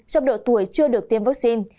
trong độ tuổi chưa được tiêm vaccine